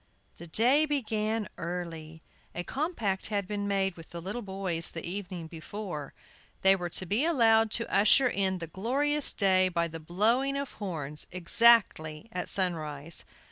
THE day began early. A compact had been made with the little boys the evening before. They were to be allowed to usher in the glorious day by the blowing of horns exactly at sunrise.